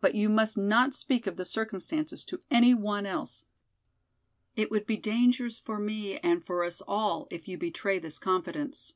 But you must not speak of the circumstances to any one else. It would be dangerous for me and for us all if you betray this confidence.